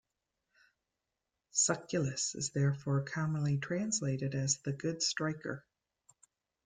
"Sucellus" is therefore commonly translated as 'the good striker.